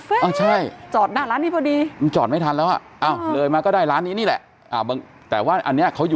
ไฟเอาใช่ยอดน่ะแล้วนี่พอดีจอดไม่ทันแล้วอ่ะเลยมาก็ได้ร้านนี้เนี่ยแต่ว่านี้เขา